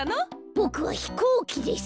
ボクはひこうきです。